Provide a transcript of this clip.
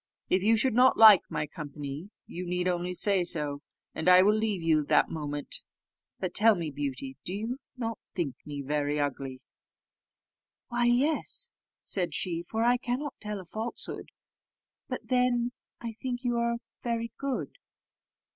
If you should not like my company, you need only say so, and I will leave you that moment. But tell me, Beauty, do you not think me very ugly?" "Why, yes," said she, "for I cannot tell a falsehood; but then I think you are very good."